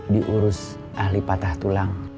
diurus ahli patah tulang